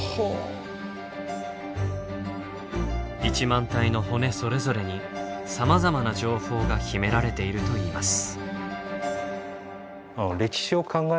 １万体の骨それぞれにさまざまな情報が秘められているといいます。